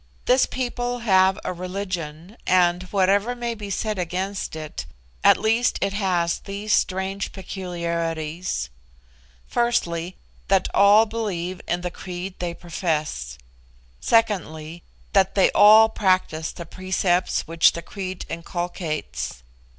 This people have a religion, and, whatever may be said against it, at least it has these strange peculiarities: firstly, that all believe in the creed they profess; secondly, that they all practice the precepts which the creed inculcates.